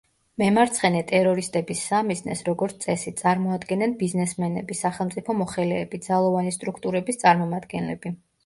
მემარცხენე ტერორისტების სამიზნეს, როგორც წესი, წარმოადგენენ ბიზნესმენები, სახელმწიფო მოხელეები, ძალოვანი სტრუქტურების წარმომადგენლები.